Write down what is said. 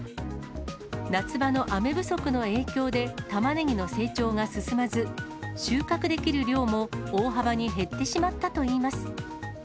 夏場の雨不足の影響で、タマネギの成長が進まず、収穫できる量も大幅に減ってしまったといいます。